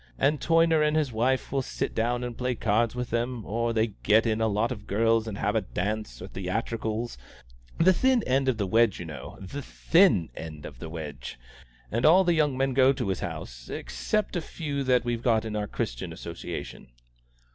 And Toyner and his wife will sit down and play cards with them; or they'll get in a lot of girls, and have a dance, or theatricals, the thin end of the wedge, you know, the thin end of the wedge! And all the young men go to his house, except a few that we've got in our Christian Association."